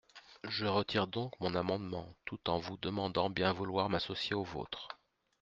Je retire donc mon amendement, tout en vous demandant bien vouloir m’associer au vôtre.